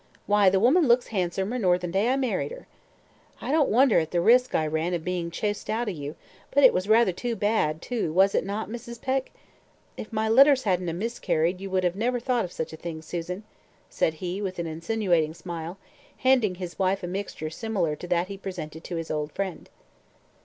Why, the woman looks handsomer nor the day I married her. I don't wonder at the risk I ran of being choused out of you; but it was rather too bad, too, was it not, Mrs. Peck? If my letters hadn't a miscarried you would never have thought of such a thing, Susan," said he, with an insinuating smile, handing his wife a mixture similar to that he presented to his old friend.